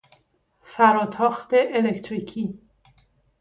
فراتاخت الکتریکی